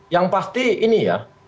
yang pasti ini ya